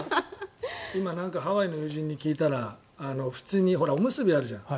今ハワイの友人に聞いたら普通のおむすびあるじゃない。